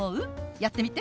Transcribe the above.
やってみて！